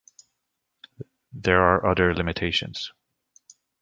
There are other limitations.